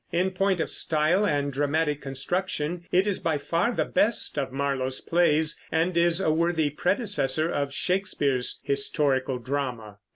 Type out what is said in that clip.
In point of style and dramatic construction, it is by far the best of Marlowe's plays, and is a worthy predecessor of Shakespeare's historical drama.